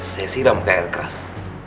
saya siram ke air keras